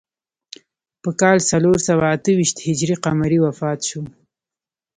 په کال څلور سوه اته ویشت هجري قمري وفات شو.